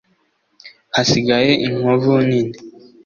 hasigaye inkovu nini